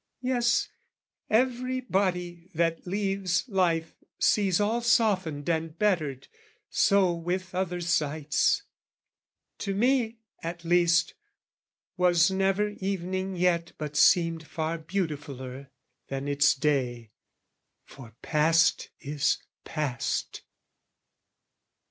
Yes, every body that leaves life sees all Softened and bettered: so with other sights: To me at least was never evening yet But seemed far beautifuller than its day, For past is past.